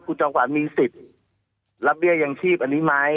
คุณจอมขวัญมีสิทธิ์รับเบี้ยยังชีพอันนี้ไหม